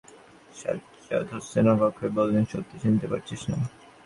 সাজ্জাদ হোসেন অবাক হয়ে বললেন, সত্যি চিনতে পারছিস না?